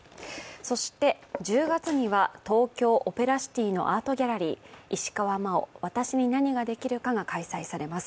そして１０月には東京オペラシティのアートギャラリー、石川真生、私に何ができるかが開催されます。